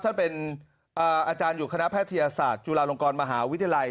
ท่านเป็นอาจารย์อยู่คณะแพทยศาสตร์จุฬาลงกรมหาวิทยาลัย